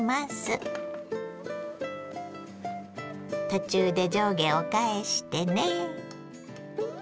途中で上下を返してね。